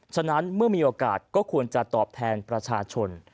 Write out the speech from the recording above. ฉะนั้นเมื่อมีโอกาสก็ควรจะตอบแทนประชาชน